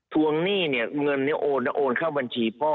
ทวงหนี้เงินโอนโอนเข้าบัญชีพ่อ